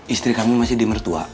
istri kami masih di mertua